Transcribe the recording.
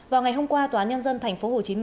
vào ngày hôm qua tnthphq